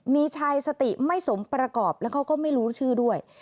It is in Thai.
มีชายสติไม่สมประกอบแล้วเขาก็ไม่รู้ชื่อด้วย